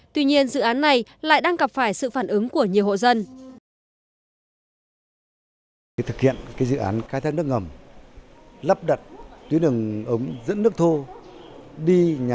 tuy nhiên dự án này lại đang gặp phải sự phản ứng của nhiều hộ dân